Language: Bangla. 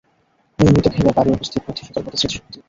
নিয়মিত খেলে বাড়ে উপস্থিত বুদ্ধি, সতর্কতা, স্মৃতিশক্তি।